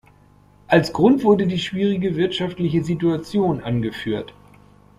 Als Grund wurde die schwierige wirtschaftliche Situation angeführt.